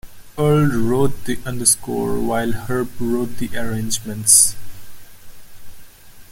Earle wrote the underscore, while Herb wrote the arrangements.